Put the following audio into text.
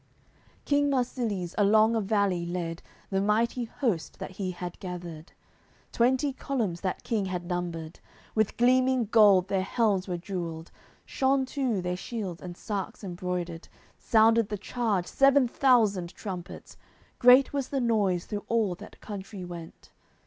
AOI. CXII King Marsilies along a valley led The mighty host that he had gathered. Twenty columns that king had numbered. With gleaminag gold their helms were jewelled. Shone too their shields and sarks embroidered. Sounded the charge seven thousand trumpets, Great was the noise through all that country went.